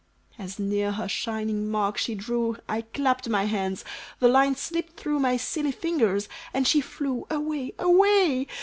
"As near her shining mark she drew I clapped my hands; the line slipped through My silly fingers; and she flew, Away! away!